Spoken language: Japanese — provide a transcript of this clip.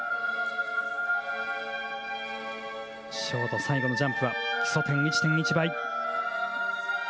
ショーと最後のジャンプは基礎点１．１倍。